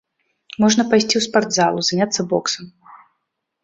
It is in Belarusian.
Можна пайсці ў спартзалу, заняцца боксам.